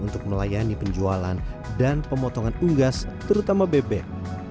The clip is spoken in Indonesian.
untuk melayani penjualan dan pemotongan unggas terutama bebek